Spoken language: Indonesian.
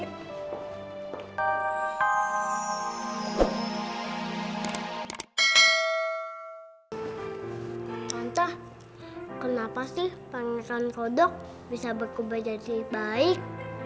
entah kenapa sih pangeran kodok bisa berkubah jadi baik